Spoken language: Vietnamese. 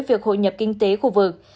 việc hội nhập kinh tế khu vực